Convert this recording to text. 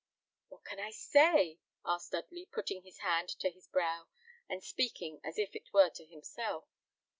"What can I say?" asked Dudley, putting his hand to his brow, and speaking as it were to himself.